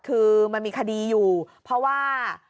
คือมันมีคดีอยู่เพราะว่า